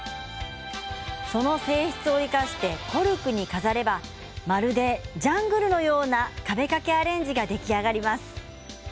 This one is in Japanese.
その性質を生かしてコルク板に飾ればまるでジャングルのような壁掛けアレンジが出来上がります。